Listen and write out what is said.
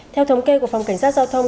theo thống kê của phòng cảnh sát giao thông